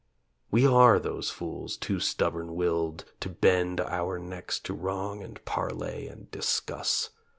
We are those fools too stubborn willed to bend Our necks to Wrong and parley and discuss.